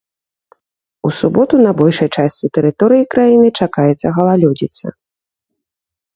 У суботу на большай частцы тэрыторыі краіны чакаецца галалёдзіца.